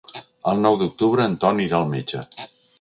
El nou d'octubre en Ton irà al metge.